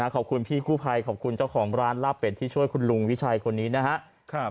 ขอบคุณพี่กู้ภัยขอบคุณเจ้าของร้านลาบเป็ดที่ช่วยคุณลุงวิชัยคนนี้นะครับ